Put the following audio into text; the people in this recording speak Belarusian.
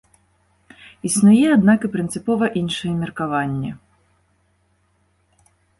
Існуе, аднак, і прынцыпова іншае меркаванне.